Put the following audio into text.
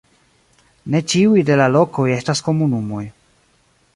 Ne ĉiuj de la lokoj estas komunumoj.